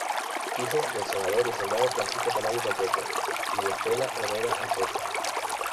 Hijo del senador y hacendado Francisco Tamayo Pacheco y de Estela Herrera Arteta.